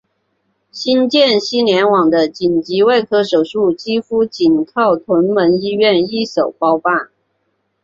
新界西联网的紧急外科手术几乎仅靠屯门医院一手包办。